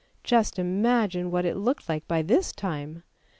Just imagine what it looked like by this time